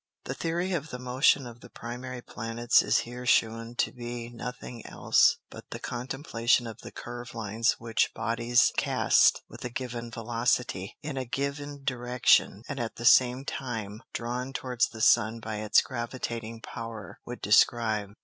The Theory of the Motion of the primary Planets is here shewn to be nothing else, but the contemplation of the Curve Lines which Bodies cast with a given Velocity, in a given Direction, and at the same time drawn towards the Sun by its gravitating Power, would describe.